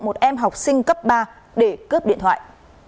một em học sinh cấp ba để cướp điện thoại